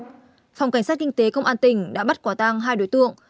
phòng cảnh sát kinh tế công an tỉnh đã bắt quả tang hai đối tượng